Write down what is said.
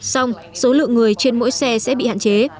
xong số lượng người trên mỗi xe sẽ bị hạn chế